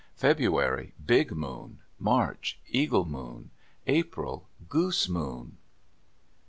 February.—Big moon. March.—Eagle moon. April.—Goose moon.